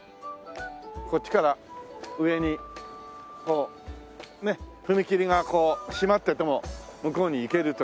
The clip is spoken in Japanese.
こっちから上にこうね踏切が閉まってても向こうに行けるというね。